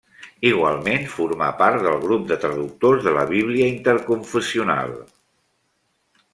Igualment formà part del grup de traductors de la Bíblia interconfessional.